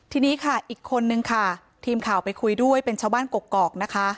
ทีนี้ค่ะอีกคนนึงค่ะทีมข่าวไปคุยด้วยเป็นชาวบ้านกกอกนะคะ